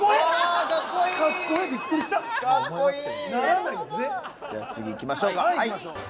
じゃあ次いきましょうか。